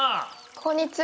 こんにちは！